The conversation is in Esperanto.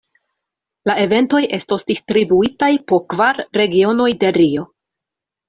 La eventoj estos distribuitaj po kvar regionoj de Rio.